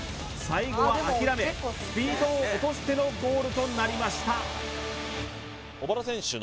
最後は諦めスピードを落としてのゴールとなりました